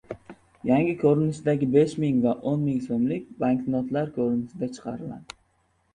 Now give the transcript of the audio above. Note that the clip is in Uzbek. Yangi ko‘rinishdagi besh ming va o‘n ming so‘mlik banknotlar chiqariladi